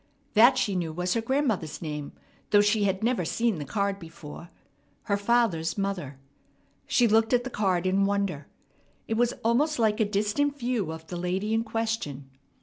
That she knew was her grandmother's name, though she had never seen the card before her father's mother. She looked at the card in wonder. It was almost like a distant view of the lady in question.